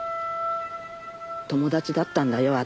友達だったんだよ